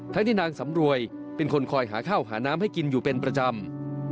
ที่นางสำรวยเป็นคนคอยหาข้าวหาน้ำให้กินอยู่เป็นประจำ